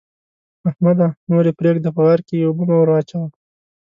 احمده! نور يې پرېږده؛ په غار کې اوبه مه وراچوه.